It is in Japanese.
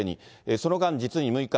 その間、実に６日。